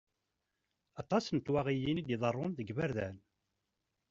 Aṭas n twaɣiyin i d-iḍerrun deg yiberdan.